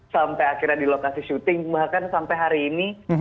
sampai akhirnya di lokasi syuting bahkan sampai hari ini